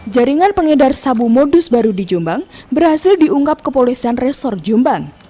jaringan pengedar sabu modus baru di jombang berhasil diungkap kepolisian resor jombang